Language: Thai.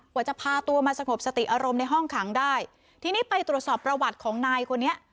กว่าจะพาตัวมาสงบสติอารมณ์ในห้องขังได้ทีนี้ไปตรวจสอบประวัติของนายคนนี้